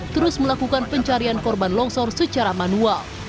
terus melakukan pencarian korban longsor secara manual